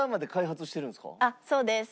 あっそうです。